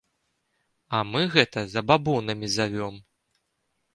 А мы гэта забабонамі завём.